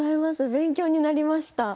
勉強になりました。